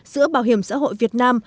giữa bảo hiểm xã hội việt nam